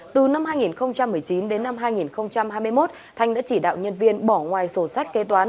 từ năm hai nghìn một mươi chín đến năm hai nghìn hai mươi một thanh đã chỉ đạo nhân viên bỏ ngoài sổ sách kế toán